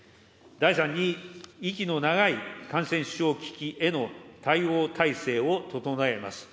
第３に、息の長い感染症危機への対応体制を整えます。